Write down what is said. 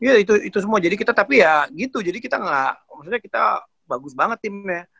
iya itu semua jadi kita tapi ya gitu jadi kita nggak maksudnya kita bagus banget timnya